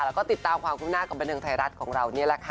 แล้วก็ติดตามความคุ้มหน้ากับบันเทิงไทยรัฐของเรานี่แหละค่ะ